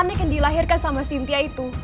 anak yang dilahirkan sama sintia itu